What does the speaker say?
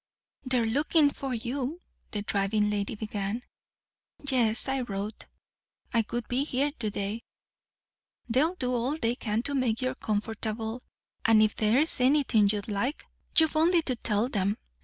"They're lookin' for you," the driving lady began. "Yes. I wrote I would be here to day." "They'll do all they can to make you comfortable; and if there's anything you'd like, you've only to tell 'em.